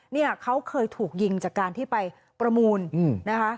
เนี่ยเขาเคยถูกยิงจากการที่ไปประมูลนะคะ